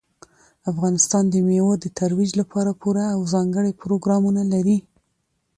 افغانستان د مېوو د ترویج لپاره پوره او ځانګړي پروګرامونه لري.